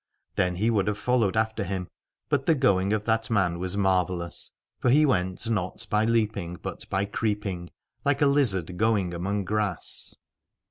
Then he would have followed after him : but the going of that man was marvellous, for he went not by leaping but by creeping, like a lizard going among grass.